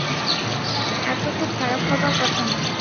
এতো তো খারাপ হবার কথা না।